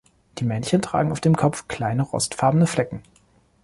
Die Männchen tragen auf den Kopf kleine rostfarbene Flecken.